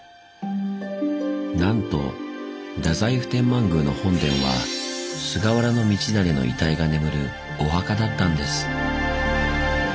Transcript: なんと太宰府天満宮の本殿は菅原道真の遺体が眠るお墓だったんです。